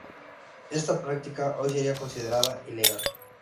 Esta práctica, hoy sería considerada ilegal.